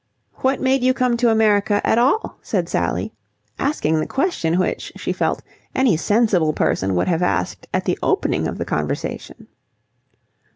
"What made you come to America at all?" said Sally, asking the question which, she felt, any sensible person would have asked at the opening of the conversation.